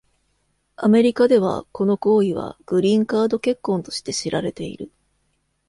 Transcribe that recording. アメリカでは、この行為はグリーンカード結婚として知られている。